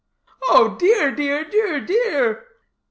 "Oh dear, dear, dear, dear!"